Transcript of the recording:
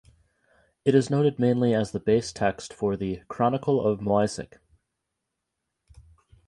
It is noted mainly as the base text for the "Chronicle of Moissac".